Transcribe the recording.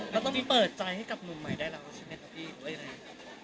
แล้วต้องเปิดใจให้กับหนุ่มใหม่ได้แล้วใช่ไหมครับพี่